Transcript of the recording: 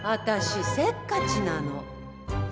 私せっかちなの。